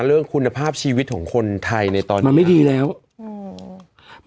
เรื่องคุณภาพชีวิตของคนไทยในตอนนี้มันไม่ดีแล้วอืม